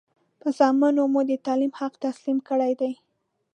پر زامنو مو د تعلیم حق تسلیم کړی دی.